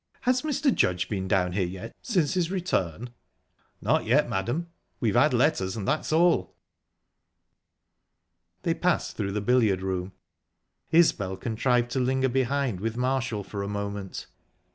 Has Mr. Judge been down here yet since his return?" "Not yet, madam. We've had letters, and that's all." They passed through the billiard room. Isbel contrived to linger behind with Marshall for a moment.